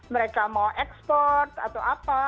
mereka mau ekspor atau apa